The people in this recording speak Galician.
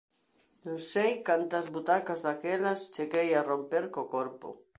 Non sei cantas butacas daquelas cheguei a romper co corpo.